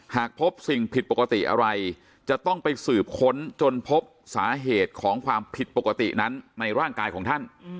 หากพบสิ่งผิดปกติอะไรจะต้องไปสืบค้นจนพบสาเหตุของความผิดปกตินั้นในร่างกายของท่าน